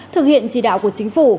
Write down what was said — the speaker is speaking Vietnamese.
thực hiện chỉ đạo của chính phủ